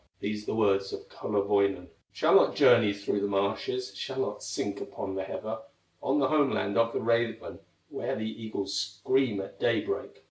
These the words of Kullerwoinen: "Shall not journey through the marshes, Shall not sink upon the heather, On the home land of the raven, Where the eagles scream at day break.